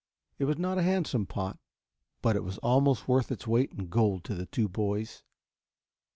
It was not a handsome pot, but it was almost worth its weight in gold to the two boys.